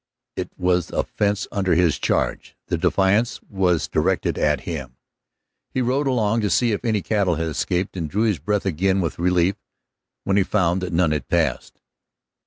It was a fence under his charge; the defiance was directed at him. He rode along to see if any cattle had escaped, and drew his breath again with relief when he found that none had passed.